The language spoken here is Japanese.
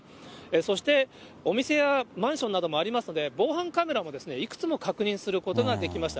そして、お店やマンションなどもありますので、防犯カメラもいくつも確認することができました。